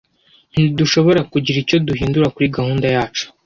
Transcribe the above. Ntidushobora kugira icyo duhindura kuri gahunda yacu.